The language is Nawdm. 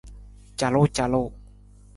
Calucalu.